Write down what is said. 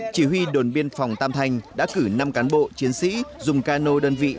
chỉ huy đồn biên phòng tam thanh đã cử năm cán bộ chiến sĩ dùng cano đơn vị